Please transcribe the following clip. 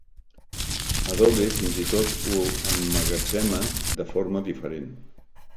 Adobe fins i tot ho emmagatzema de forma diferent.